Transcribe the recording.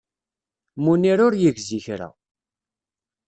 Munir ur yegzi kra.